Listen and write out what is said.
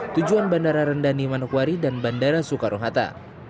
tujuan bandara rendani manokwari dan bandara soekarohata